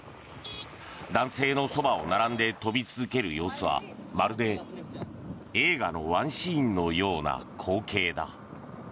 男性のそばを並んで飛び続ける様子はまるで映画のワンシーンのような光景だ。